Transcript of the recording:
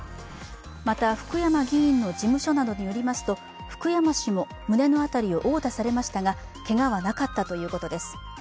また、福山議員の事務所などによりますと福山氏も胸の辺りを殴打されましたが、けがはなかったということです。